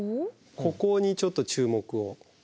ここにちょっと注目を。